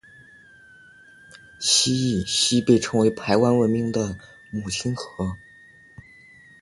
隘寮溪被称为排湾文明的母亲河。